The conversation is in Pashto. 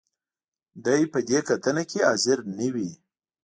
دې به په دې کتنه کې حاضر نه وي.